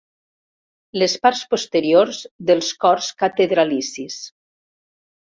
Les parts posteriors dels cors catedralicis.